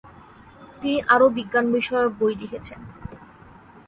তিনি আরো বিজ্ঞান বিষয়ক বই লিখেছেন।